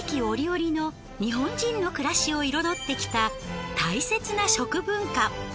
折々の日本人の暮らしを彩ってきた大切な食文化。